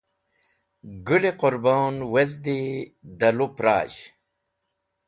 Gũl-e Qũrbon wezdi da lup razh.